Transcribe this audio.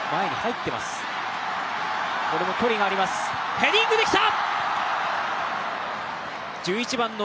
ヘディングできた！